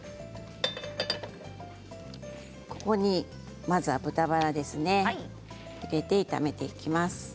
ここに豚バラですね炒めていきます。